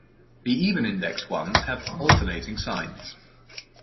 The even-indexed ones have alternating signs.